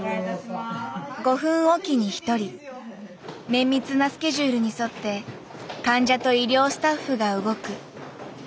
綿密なスケジュールに沿って患者と医療スタッフが動く。